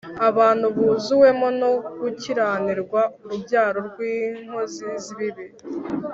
abantu buzuwemo no gukiranirwa, urubyaro rw’inkozi z’ibibi